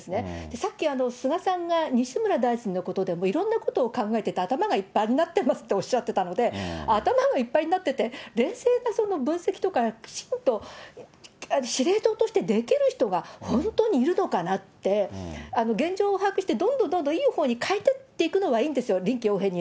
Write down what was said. さっき、菅さんが西村大臣のことでもいろんなことを考えてて、頭がいっぱいになってますっておっしゃってたので、頭がいっぱいになってて、冷静な分析とかきちんと司令塔としてできる人が本当にいるのかなって、現状を把握してどんどんどんどんいいほうに変えていっていくのはいいんですよ、臨機応変に。